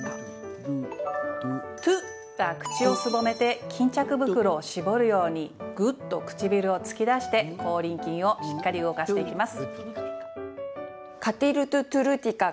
「とぅ」は口をすぼめて巾着袋を絞るようにぐっと唇を突き出し、口輪筋をしっかりと動かしていきます。